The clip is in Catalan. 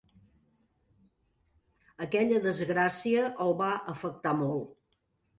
Aquella desgràcia el va afectar molt.